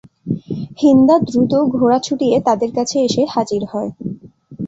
হিন্দা দ্রুত ঘোড়া ছুটিয়ে তাদের কাছে এসে হাজির হয়।